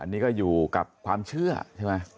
อันนี้ก็อยู่กับความเชื่อใช่ไหม